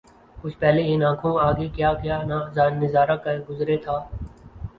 کچھ پہلے ان آنکھوں آگے کیا کیا نہ نظارا گزرے تھا